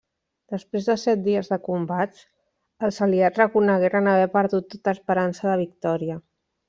Després de set dies de combats, els aliats reconegueren haver perdut tota esperança de victòria.